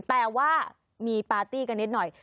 แต่ว่ามีปาร์ตี้กันนิดหน่อย